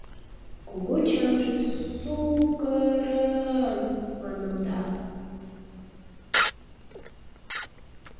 Кугу чаҥже «сукы-ры-ым» манылда.